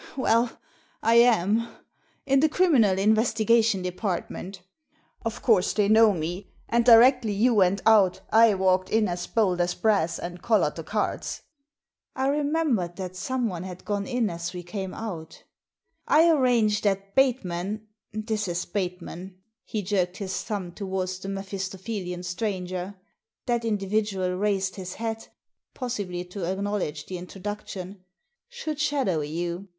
"Well, I am — in the Criminal Investigation De partment. Of course they know me, and directly you went out I walked in as bold as brass and collared the cards." I remembered that someone had gone in as we came out "I arranged that Bateman — this is Bateman" — he jerked his thumb towards the Mephistophelian stranger; that indi vidual raised his hat, possibly to acknowledge the introduction —" should shadow you.